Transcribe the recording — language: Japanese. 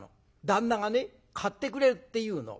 旦那がね買ってくれるっていうの。